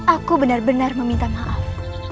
aku benar benar meminta maaf